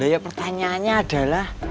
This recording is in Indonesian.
ya pertanyaannya adalah